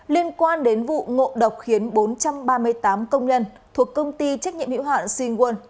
liên quan đến vụ ngộ độc khiến bốn trăm ba mươi tám công nhân thuộc công ty trách nhiệm hiệu hạn seang won